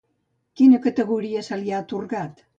Quina categoria se li ha atorgat?